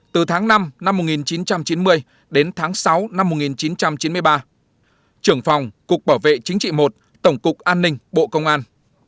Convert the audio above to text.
từ tháng năm năm một nghìn chín trăm chín mươi đến tháng sáu năm một nghìn chín trăm chín mươi ba trưởng phòng cục bảo vệ chính trị một tổng cục an ninh bộ công an